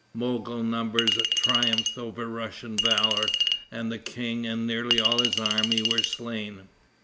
Mogol numbers triumphed over Russian valor, and the king and nearly all his army were slain.